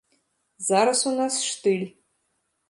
Зараз у нас штыль.